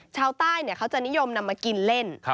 ชาวใต้เขาจะนิยมนำมากินเล่น